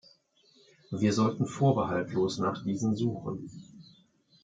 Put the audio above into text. Wir sollten vorbehaltlos nach diesen suchen.